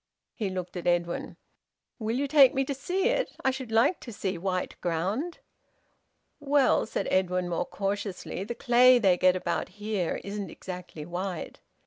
He looked at Edwin: "Will you take me to see it? I should like to see white ground." "Well," said Edwin, more cautiously, "the clay they get about here isn't exactly white."